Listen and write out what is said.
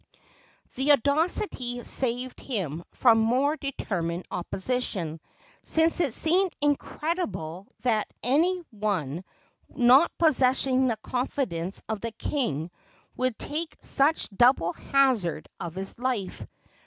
This audacity saved him from more determined opposition, since it seemed incredible that any one not possessing the confidence of the king would take such double hazard of his life.